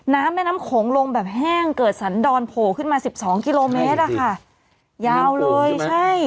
แม่น้ำโขงลงแบบแห้งเกิดสันดอนโผล่ขึ้นมาสิบสองกิโลเมตรอะค่ะยาวเลยใช่